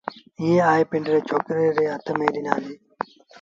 ائيٚݩ آئي پنڊري ڇوڪري ري هٿ ميݩ ڏنآݩديٚ